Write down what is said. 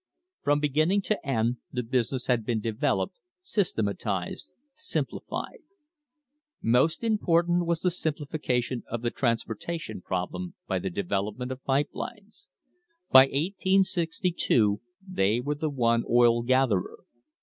From begin ning to end the business had been developed, systematised, simplified. Most important was the simplification of the transporta tion problem by the development of pipe lines. By 1872 they were the one oil gatherer.